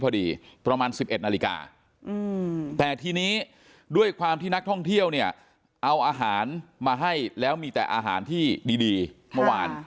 แต่ทีนี้ด้วยความที่นักท่องเที่ยวเนี่ยเอาอาหารมาให้แล้วมีแต่อาหารที่ดีเมื่อวาน